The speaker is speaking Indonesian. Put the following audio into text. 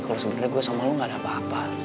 kalau sebenarnya gue sama lo gak ada apa apa